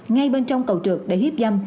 ngay bên trong cầu trượt để hiếp dâm